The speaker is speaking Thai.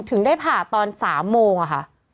ถึงได้ผ่าตอน๓โมงอะค่ะ